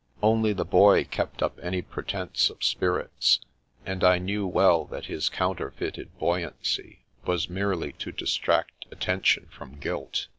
Only the Boy kept up any pretence of spirits, and I knew well that his counterfeited buoyancy was merely to distract attention from guilt.